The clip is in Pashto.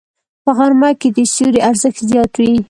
په غرمه کې د سیوري ارزښت زیات وي